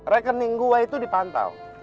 rekening gue itu dipantau